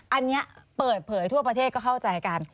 อันนี้เปิดเผยทั่วประเทศก็เข้าใจกัน